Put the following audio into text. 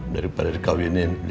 daripada dikawinin dia